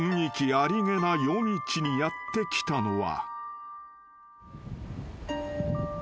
ありげな夜道にやって来たのは］